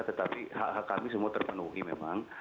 tetapi hak hak kami semua terpenuhi memang